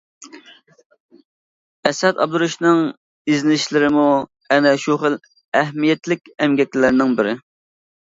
ئەسئەت ئابدۇرېشىتنىڭ ئىزدىنىشلىرىمۇ ئەنە شۇ خىل ئەھمىيەتلىك ئەمگەكلەرنىڭ بىرى.